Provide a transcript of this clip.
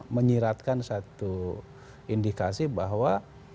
menyiratkan satu indikasi bahwa